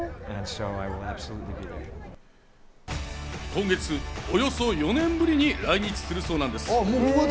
今月、およそ４年ぶりに来日するそうなんです。